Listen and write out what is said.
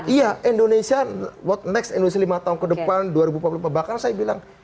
iya indonesia what next indonesia lima tahun ke depan dua ribu empat puluh lima bahkan saya bilang